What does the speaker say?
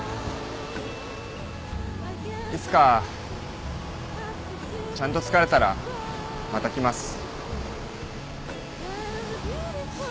いつかちゃんと疲れたらまた来ます。